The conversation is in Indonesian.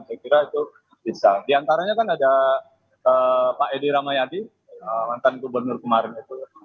saya kira itu bisa di antaranya kan ada pak edy ramayadi lantan gubernur kemarin itu